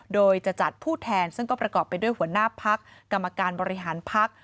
โดยจะจัดผู้แทนซึ่งก็ประกอบไปด้วยหัวหน้าพักกรรมการบริหารพัก